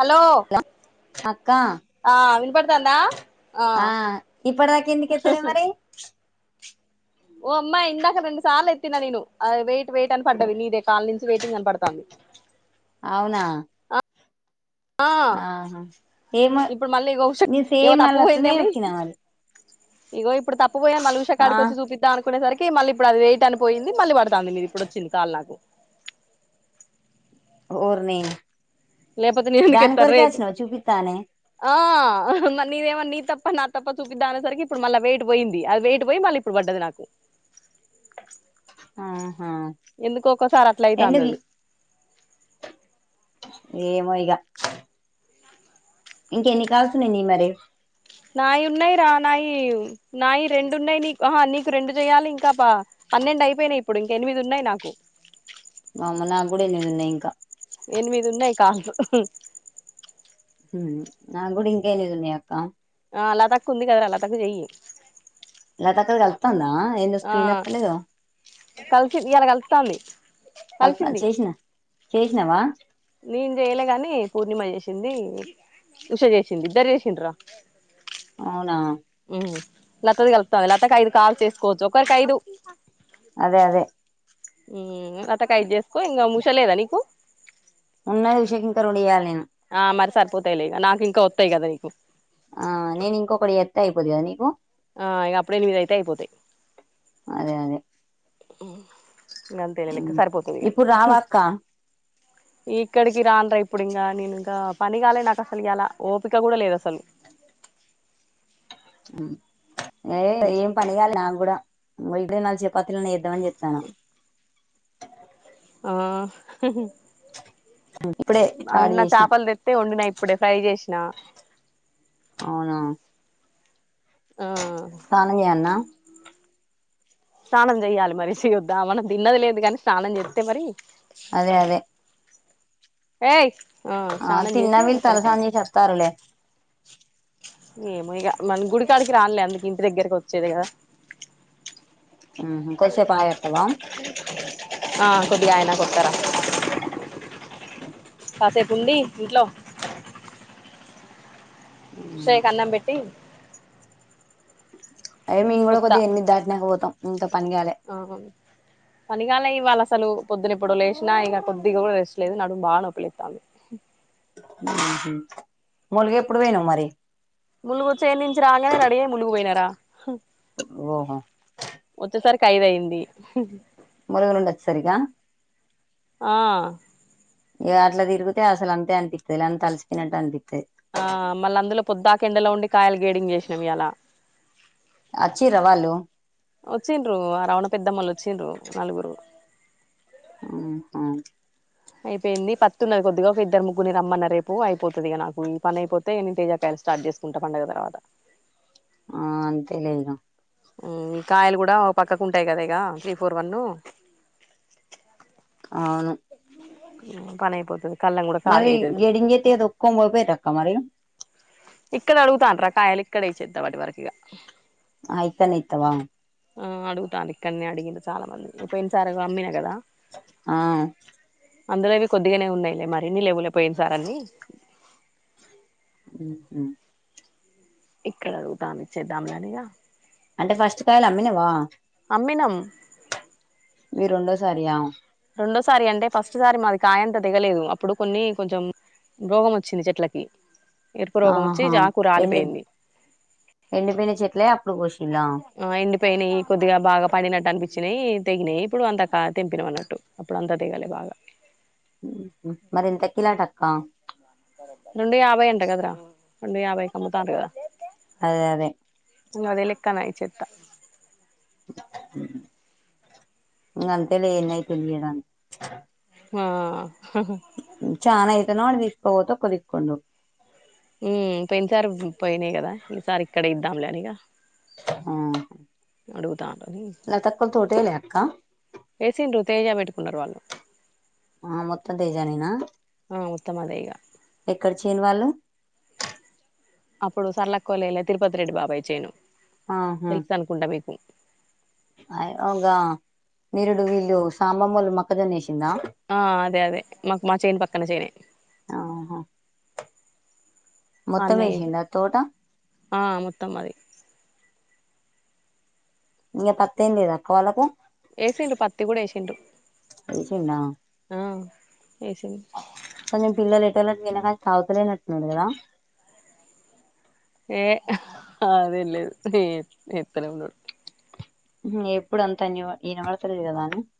Hello అక్క ఆ విన్పడుతాందా ఆ ఇపడ దాకా ఎందుకే ఎత్తలే మరి ఓ అమ్మా ఇంద రెండు సార్లు ఎత్తిన నేను వెయిట్ వెయిట్ అని పడ్డది నీదే కాళ్ళ నుంచి వెయిటింగ్ అనపడుతుంది అవునా ఆ ఆహా ఏమో ఇప్పుడు మళ్ళీ ఇగో ఉష నేను ఏమో సేమ్ వాళ్ళ తప్పు అట్లనే పోయిందేమని ఎక్కినా మరి ఇగో ఇప్పుడు తప్పు పోపోయాను ఆ మలుషాక్కడికి వచ్చి చూపిద్దానికి కునేసరికి మళ్ళీ ఇప్పుడు అది వెయిట్ అనిపోయింది మళ్ళీ పడుతాంది మీది ఇప్పుడు వచ్చింది కాల్ నాకు ఓరిని లేకపోతే నేను ఎందుకు ఎత్తను రా ఎదు చూపిత్తానే ఆ మ నీదేమ నీ తప్ప నా తప్ప చూపిద్దా అనేసరికి ఇప్పుడు మళ్ళీ వెయిట్ పోయింది అది వెయిట్ పోయి మళ్ళీ ఇప్పుడు పడ్డదు నాకు ఆహా ఎందుకో ఒక్కోసారి అట్లా అయితాంది ఎందుకి అది ఏమో ఇగా ఇంకెన్ని కాల్స్ ఉన్నాయి మరి నాయి ఉన్నాయి రా నాయి నాయి రెండు ఉన్నాయి నీకు నీకు రెండు చెయాలి ఇంకా పా పన్నెండు అయిపోయినాయి ఇప్పుడు ఇంకా ఎనిమిది ఉన్నాయి నాకు వామ్మో నాకు కూడా ఎనిమిది ఉన్నాయి ఇంకా ఎనిమిది ఉన్నాయి కాల్స్ హ్మ్మ్ నాగూడ ఇంకా ఎనిమిది ఉన్నాయి అక్క అ లతక్కా ఉంది కదా రా లత కు చెయ్యి లత ది కల్తాందా ఏదొ ఆ స్కీన్త్త లేదేమో కలిసి ఇయాలా కలుతాంది కల్తాంది చేసిన చేసినవా నేను చేయలే గాని పూర్ణిమ చేసింది ఉష చేసింది ఇద్దరి చేసిండ్రా అవునా ఉమ్ లతది కలుతంది లతాకు ఐదు కాల్ చేసుకోవచ్చు ఒకరికి ఐదు అదే అదే అతకాయదు చేసుకో ఇంకా ముషలేదా నీకు ఉన్నాది ఉషకింకా రెండు చేయాలి నేను పోతాయి లే నాకు ఇంకా వస్తాయి కదా నీకు ఆ నేను ఇంకొకటి ఎత్త అయిపోది కదా నీకు ఆ ఇక అప్పుడు ఎనిమిదయితే అయిపోతాయి అదే అదే ఉమ్ అంతేలిలెక్క సరిపోతుందిక ఇప్పుడు రావా అక్క ఇక్కడికి రానరా ఇప్పుడు ఇంకా నేను ఇంకా పని కాలే నాకు అసలు ఇలా ఓపిక కూడా లేదు అసలు ఏ ఏం పని గాలే నా కూడా ఇదనా చేప్పత్రలే చేదం అని జతనా ఆ ఇప్పుడే స్టార్ట్ అన్న చేసినా చేపల్ తెత్తే వండిన ఇప్పుడే ఫ్రై జెసిన సానం చేయాల్న స్నానం చెయ్యాలి మరి చేయేద్దా మనం తిన్నది లేదు కాని స్నానం చేస్తే మరి అదే అదే ఏయ్ ఆ స్నానం తిన్నా చేసి వీళ్ళు అప్పటికే తలస్నానం చేసి వత్తారులే ఏమో ఇగ మన గుడికాడికి రానులే అందుకు ఇంటి దగ్గరకి వచ్చేది కదా ఉహు కొద్దిసేపు ఆగి వత్తవా ఆ కొద్ది ఆయనక వస్తారా కాసేపు ఉండి ఇంట్లో ఉషేక్ అన్నం పెట్టి టైమింగ్ కూడా కొద్దిగ ఎనిమిది దాటినాక పోతాం ఉంతం ఆహా పనిగాలే ఇవాళ్ళ అసలు పొద్దున ఎప్పుడో లేసిన ఇగ కొద్దిగా కూడా రెస్ట్ లేదు నడుము బాగా నొప్పిలేస్తుంది ఉహు ములుగు ఎప్పుడు పోయినావ్ మరి ములుగు చైన్ నుంచి రాగానే రెడీ అయి ములుగు పోయినారా ఒహో వచ్చేసరికి ఐదు అయ్యింది హు ములుగు నుండి వచ్చేసరికి ఆ ఆ ఇగ అట్లా తిరిగితే అసలు అంతే అనిపిస్తదిలే అంతా అలసిపోయినట్టు అనిపి ఆ మళ్ల అందులో పుద్దాక ఎండలో ఉండి కాయలు గ్రేడింగ్ చేసినాము ఈయాల వచ్చిర్రా వాళ్ళు వచ్చిండ్రు ఆ రావణ పెద్దమ్మోల్లు వచ్చిండ్రు నలుగురు ఉహు అయిపోయింది పత్తి ఉన్నది కొద్దిగా ఒక ఇద్దరు ముగ్గురిని రమ్మన్నా రేపు అయిపోతది ఇగ నాకు ఈ పని అయిపోతే నేను తేజ కాయల స్టార్ట్ చేసుకుంటా పండగ తర్వాత ఆ అంతేలే ఇగ ఉహ్మ్ కాయలు కూడా పక్కకు ఉంటాయి కదా ఇక త్రీ ఫోర్ వన్ యూ అవును పనైపోతది మరి గేడింగ్ చేస్తే ఇదోకో మోపేర అక్క మరి ఇక్కడే అడుగుతాంటారు కాయలు ఇక్కడే ఇచ్చేస్తావాటి వరకు ఇగ ఆ ఇకనే ఇస్తావా ఆ అడుగుతాండూ ఇక్కడ నే అడిగిండు చాలామంది ఇ పోయిన సారీ ఇగు అమ్మి నా కద ఆ అందులో ఇవి కొద్దిగానే ఉన్నాయిలే మరి ఇన్ని లేవులే పోయినసారి అని ఉహు ఇక్కడ అడుగుతాంది ఇచ్చేద్దాంలే అని ఇక అంటే ఫస్ట్ కాయలు అమ్మినావా అమ్మినాం ఇవి రెండోసారియా రెండోసారి అంటే ఫస్ట్ సారి మాది కాయంత తేగలేదు అప్పుడు కొన్ని కొంచెం రోగం వచ్చింది చెట్లకి ఎరుపు రోగం వచ్చి ఆహా జాకు ఎండి రాలిపోయింది ఎండిపోయిన చెట్లే అప్పుడు కోసిల్లా ఆ ఎండిపోయినాయి కొద్దిగా బాగా పండినట్టు ఇచ్చినయి తెగినాయి ఇప్పుడు అంతా కా తెంపినామ్ అన్నట్టు అప్పుడంతా తెగలే బాగా ఉహు మరి ఇంతకిలాట అక్క రెండు యాభై అంట కదరా రెండు యాభైకి అమ్ముతాండ్రు కదా అదే అదే యూ అదే లెక్కన ఇచ్చేస్తా ఉ అంతేలే ఏందైతుంది లే గాని ఆ చానా అయితేనో ఓడి తీసుకుపోతా కొద్ది కొన్ను ఉ పోయిన సారి పోయినాయి కదా ఈసారి ఇక్కడే ఇద్దాం లే అని ఇక ఆ అడుగుతాండు లతక్కోల తోటేలే అక్క ఏసిండ్రు తేజ పెట్టుకున్నారు వాళ్ళు ఆ మొత్తం తేజ నేనా మొత్తమదేగా ఎక్కడ చేయని వాళ్ళు అప్పుడు సరళక్కొళే తిరుపతి రెడ్డి బాబాయి చేయను ఆహా తెలుస నుకుంటా మీకు అ ఇగా నిరుడు వీళ్ళు సాంబమ్మోలు మొక్కజొన్నేసి ఆ అదే అదే మాకు మా చేన్ పక్కన చేనె ఆహా మొత్తం అన్నీ వేసిండా తోట ఆ మొత్తం అదె ఇక పత్తెం లేదా అక్కవాళ్ళకు ఎసిండ్రు పత్తి కూడా ఏసిండ్రు తిన్నా పిలుకొంచెం పిలటలేదెహె తావుతలేనట్టున్నాడు కదా ఏ అదెంలేదు [unintelligible] ఎప్పుడు అంతంతన్య ఈనవల తె కదాను [unintelligible]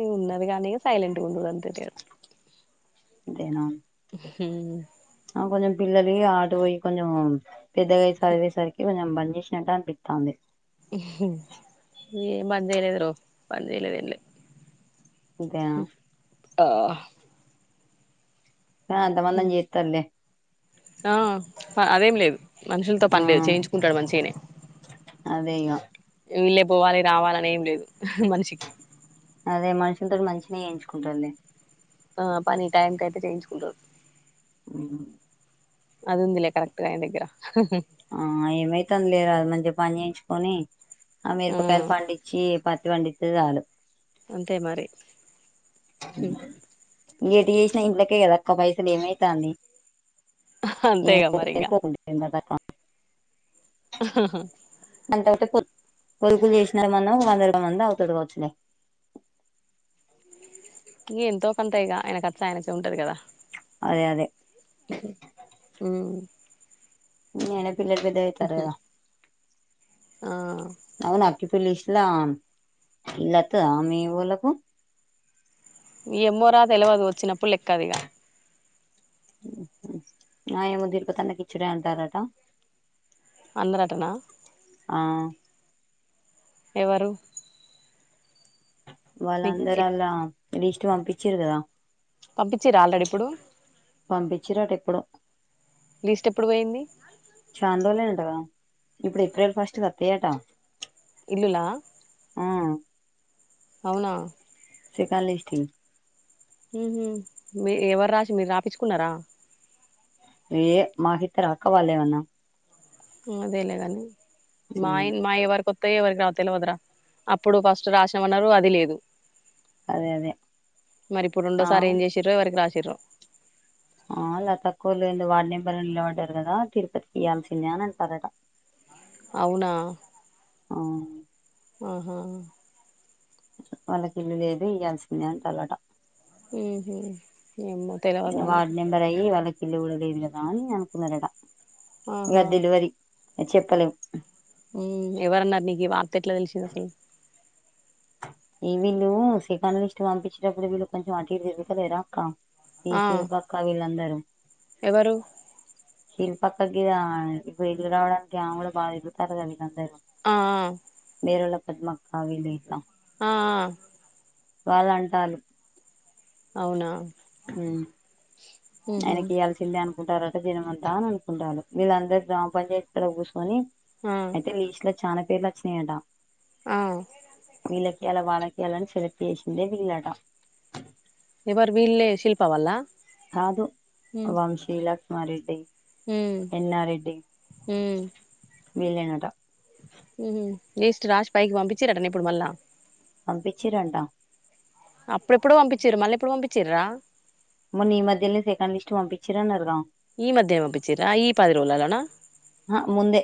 ఏం ఉన్నది కానీ సైలెట్ గుండు అంతె. తేడ అదేనా హుమ్మ్... ఆ కొంచెం పిల్లలు ఆట పోయి కొంచెం పెద్దగాయి చదివేసరికి కొంచెం బం ద్ చేసినట్టానిపితాంది ఏం బంద్ చెయలేదురొ బంద్ చెయలేదు ఏం లె ఇంకేం ఆ ఆ అంత మందేం చేత్తర్లె ఆ అదేం లేదు మనుషులతో ఆ పనిలేదు చేయించుకుంటాడు మంచిగానే అదే ఇగ వీళ్ళే పోవాలి రావాల అని ఏం లేదు మనిషికి అదే మనుషుల తోటి మంచిన చెయించుకుంటలెది ఆ పని టైం క అయితే చేయించుకుంటారు మ్ అది ఉందిలే కరక్ట్ గా ఆయన దగ్గర ఆ ఏమైతంది లేర అది మంచిగా పని చేయించుకొని ఆ మిరుపకాయలు పండించి పత్తి పండిత్తే చాలు అంతే మరి ఏటి చేసిన ఇంట్లకే కదా అక్క పైసలు ఏమైతాంది అంతేగా మరి ఏ ఇంగా పోకు [unintelligible] అంట ఒకంట [unintelligible] పొదుపులు చేసిన మనం ఒక వందరగా మంది అవుతడుకో వచ్చలే ఎంతో కొంత ఇక ఆయన ఖర్చు ఆయనకి ఉంటది కదా అదే అదే మ్ [unintelligible] ఆ తలి ఇస్లాం ఇల్లొత్తదా మీ ఓలకు ఎమోరా తెలివదు వచ్చినప్పుడు లెక్కదిగ నా ఏమో తిరుపతన్నకు ఇచ్చి రా అంటారట అందరాటనా ఆ ఎవరు నీకు వాళ్ళందరలా లీస్ట్ పంపించీరు కదా పంపించిరా ఆల్రెడీ ఇప్పుడు పంపించిరటో ఎప్పుడో లిస్ట్ ఎప్పుడు పోయింది చాన రోజులు అయింది అంట కదా ఇప్పుడు ఏప్రిల్ ఫస్ట్ వస్తాయట ఇల్ల లా అవునా సెకండ్ లిస్ట్ ఉహూ మీ ఎవర్ రాసి మీరు రాపిచ్చుకున్నారా ఏ మాకిత్తర వాళ్లేమన్నా హు అదేలే గాని మై ఉమ్, మాయి వరకు వస్తాయో ఎవరికీ రావు తెలువదు రా అప్పుడు ఫస్ట్ రాసామన్నారు అది లేదు అదే అదే మరి ఇప్పుడు ఆ రెండోసారి ఏం చేసిర్రో ఎవరికి రాసిరో ఆ లత అక్కలు ఏందో వార్డు నెంబర్ నిలబడ్డారు కదా తిరుపతికి ఇయాల్సిందే అని అంటారట [inaudible] అవునా అవును ఆహా వాళ్ళకి ఇల్లు లేదు ఈయాల్సిందే అంటాలట ఉహు ఏమో తెలవదురా వార్డు నాకు నెంబర్ అయి వాళ్ళ కి ఇల్లు కూడా లేదు కదా అని అనుకున్నారట ఇగ ఆహా తెలవదు చెప్పలేం ఉహు ఎవరన్నారు నీకు వార్త ఎట్లా తెలిసింది అసలు ఈవీళ్ళు సెకండ్ లిస్ట్ పంపించేటప్పుడు వీళ్ళు కొంచెం అటు ఇటు తిరుగుతాలేర అక్క ఈ ఆ శిల్పఅక్కవీళ్ళ అందరూ ఎవరు శిల్పఅక్క గిదా ఇప్పుడు ఇల్లు రావడానికి ఆమె కూడా బాగా తిరుగుతారు కదా అందరూ ఆ ఆ వేరొల్లా పద్మ అక్క వీళ్లు గిట్ల ఆ అ వాళ్ళు అంటాలు అవునా హు ఉహు ఆయనకి ఇవ్వాల్సిందే అను కుంటారట జనమంతా అని అకుంటారు వీళ్ళ అందరూ గ్రామ పంచాయతీ కూడా కూసోని ఆ అయితే లిస్ట్ లా చానా పేర్లు వచ్చినాయట ఆ వీళ్ళకి ఇలా వాళ్ళకి ఇయ్యాలని సెలెక్ట్ చేసిందే వీళ్లట ఎవరు వీళ్లే శిల్ప వాల్ల కాదు వంశీలకు మరిది హు హు వీళ్లేనట ఉహు లిస్ట్ రాసి పైకి పంపించి రాట ఇప్పుడు మళ్ళ పంపించిరంటా అప్పుడు ఎప్పుడో పంపించరు మళ్ళీ ఎప్పుడు పంపించరా మొన్న ఈ మధ్యలెనే సెకండ్ లిస్ట్ పంపించిరాన్నారు గా ఈ మధ్య పంపించరా ఈ పదిరోజులాలనా ముందే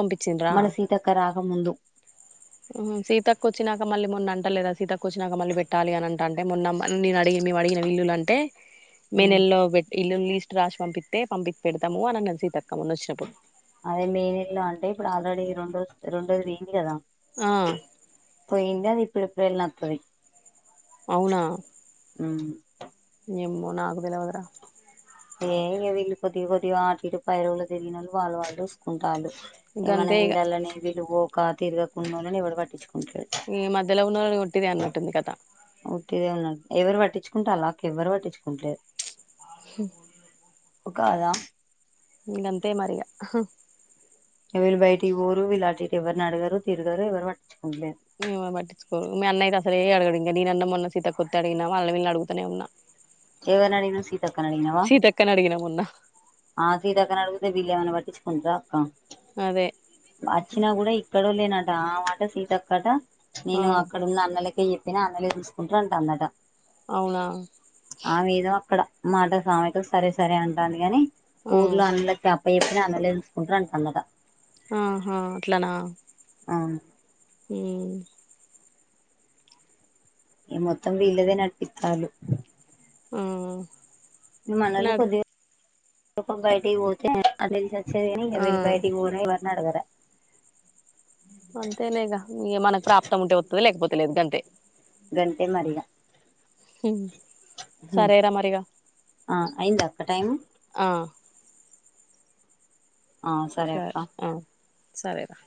పంపించిండ్రా మన సీత అక్క రాకముందు హూ సీత అక్క వచ్చినాక మళ్ళీ మొన్న అంటలేదా సీత అక్క వచ్చినాక మళ్ళీ పెట్టాలి అని అంట అంటే మొన్న నేను అడిగిన మేము అడిగినాం ఇల్లులు అంటే మే ఉమ్ నెలలొ పెట్టి ఇల్లులు లిస్ట్ రాసి పంపిస్తతే పంపి పెడతాము అని అన్నది సిత అక్క అదే మే నెలలో అంటే ఇప్పుడు ఆల్రెడీ రెండో రెండోది పోయింది కదా ఆ పోయింది అది ఇప్పుడు ఏప్రిల్ వత్తాది అవునా ఉహు ఏమో నాకు తెల్వదు రా ఏ వీళ్ళు కొద్ది కొది ఆటు ఇటు పైరవల తిరిగినోళ్లు వాళ్ళ వాళ్ళు చూసుకుంట అంటలు ఇగ మనం ఇల్లాలనినే వీళ్ళు పోక తిరగక ఉన్నోళను ఎవడు పట్టించుకో ఈ మధ్యలో ఉన్న ఒట్టిది అన్నట్టుంది కథా ఉట్టిదే ఉన్నాడు ఎవరు పట్టించుకుంటండ్లా నాకు ఎవ్వరు పట్టించుకుంటలేదు హు ఒక అదా ఇంకంతే మరి ఇగ వీలు బయటకి పోరు వీళ్ళు అటు ఇటు ఎవరుని అడగరు తిరగరు ఎవరు పట్టించు మీ అమ్మ పట్టించుకోదు మీ అన్న అయితే అసలు సరే అడే అడగడు నేనన్న మొన్న సీతక్క వొత్తే అడిగిన వాళ్ళని వీళ్లని అడుగుతనే ఉన్నా ఎవ్వరిని అడిగినావ్ సీ సీతక్క నీ అడిగిన మోన్న ఆ సీతక్క నీ అడిగితే విళ్లు ఏమన్న పట్టించుకుంటరా అక్కా అదే వచ్చినా కూడా ఇక్కడో లేనట ఆ మాట సీత అక్కట ఆ నేను అక్కడ ఉన్న అన్నలకే చెప్పిన అన్నలే చూసుకుంటార అంటాంది అట అవునా మాతో స్వామితో సరే సరే అంటాంది కాని ఆ ఊర్లో అందురికి అప్ ఎంత చెప్పిన అన్నలే చూసుకుంటారు అంటదట ఆహా అట్లానా అవును ఏ ఈ మొత్తం వీళ్ళదే నడిపిత్తల్లు ఆ మనోళ్లు నడు కొద్దిగా బయటకిపోతే అట్లా తీసే చేయని ఆ వీళ్ళు బయటికి పోరు ఎవరిని అడగలే లేద్దంతే గంతే మరి ఇగ సరేరా మరి ఇగ ఆ అయిందా అక్క టైం ఆ ఆ సరే అక్క సరే రా